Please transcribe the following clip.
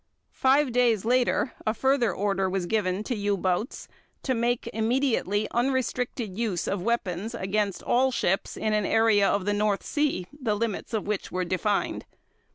Five days later a further order was given to U boats to "make immediately unrestricted use of weapons against all ships" in an area of the North Sea, the limits of which were defined.